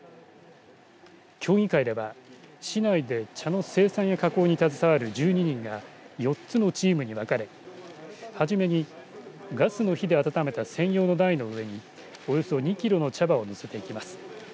競技会では市内で茶の生産や加工に携わる１２人が４つのチームに分かれはじめにガスの火で温めた専用の台の上におよそ２キロの茶葉を載せていきます。